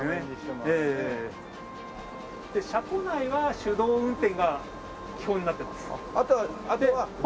本線は自動運転が基本になってます。